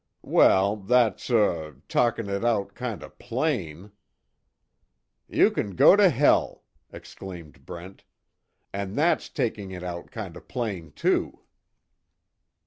"Well, that's er talkin' it out kind of plain " "You can go to hell!" exclaimed Brent, "and that's talking it out kind of plain, too."